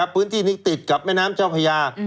พื้นที่นี้ติดกับแม่น้ำเจ้าพญา